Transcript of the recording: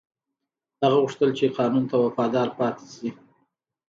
هغه غوښتل چې قانون ته وفادار پاتې شي.